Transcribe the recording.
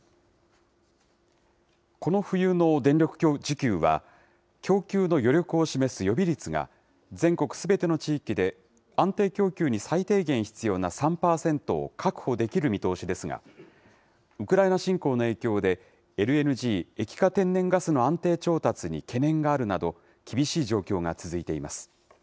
この冬の電力需給は、供給の余力を示す予備率が、全国すべての地域で、安定供給に最低限必要な３％を確保できる見通しですが、ウクライナ侵攻の影響で、ＬＮＧ・液化天然ガスの安定調達に懸念があるなど、厳しい状況が続いています。